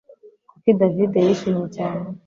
Kuki David yishimye cyane